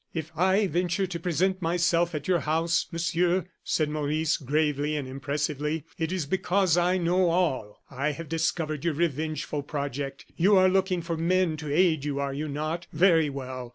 "If I venture to present myself at your house, Monsieur," said Maurice, gravely and impressively, "it is because I know all. I have discovered your revengeful project. You are looking for men to aid you, are you not? Very well!